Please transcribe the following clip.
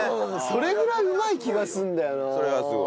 それぐらいうまい気がするんだよな。